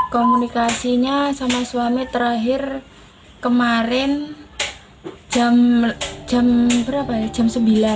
komunikasinya sama suami terakhir kemarin jam sembilan